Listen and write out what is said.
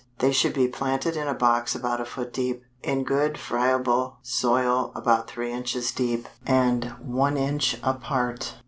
They should be planted in a box about a foot deep, in good friable soil about three inches deep, and one inch apart.